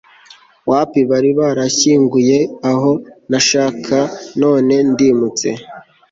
Wapi bari baranshyinguye aho ntashaka none ndimutse